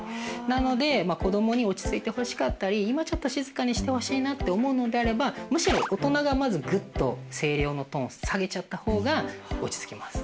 なので子どもに落ち着いてほしかったり今ちょっと静かにしてほしいなって思うのであればむしろ大人がまずグッと声量のトーンを下げちゃった方が落ち着きます。